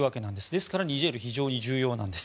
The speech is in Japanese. ですからニジェールが非常に重要なんです。